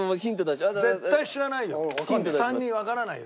絶対知らないよ。